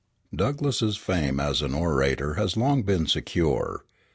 Douglass's fame as an orator has long been secure.